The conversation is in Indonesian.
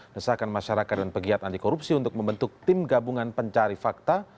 desakan masyarakat dan pegiat anti korupsi untuk membentuk tim gabungan pencari fakta